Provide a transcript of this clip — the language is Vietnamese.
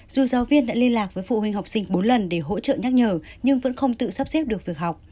dù giáo viên đã liên lạc với phụ huynh học sinh bốn lần để hỗ trợ nhắc nhở nhưng vẫn không tự sắp xếp được việc học